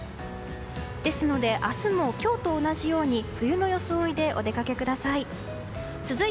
ですので明日も今日と同じように冬の装いでお出かけください。